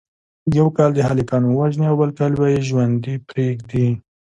یو کال دې هلکان ووژني او بل کال به یې ژوندي پریږدي.